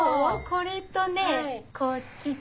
これとねこっちと。